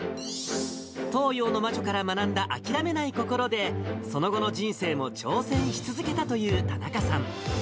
東洋の魔女から学んだ諦めない心で、その後の人生も挑戦し続けたという田中さん。